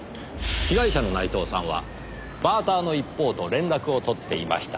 被害者の内藤さんはバーターの一方と連絡を取っていました。